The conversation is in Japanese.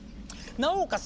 なおかつ